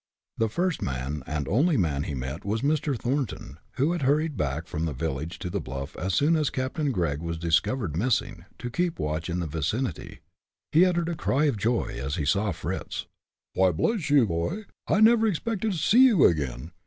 The first man and only man he met was Mr. Thornton, who had hurried back from the village to the bluff as soon as Captain Gregg was discovered missing, to keep watch in the vicinity. He uttered a cry of joy as he saw Fritz. "Why, bless you, boy, I never expected to see you again!"